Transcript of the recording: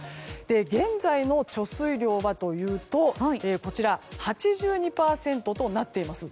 現在の貯水量はというと８２％となっています。